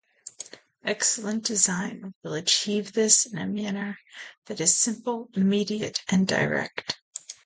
Excellent design will achieve this in a manner that is simple, immediate, and direct.